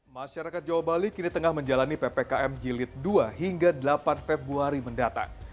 masyarakat jawa bali kini tengah menjalani ppkm jilid dua hingga delapan februari mendatang